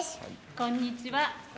こんにちは。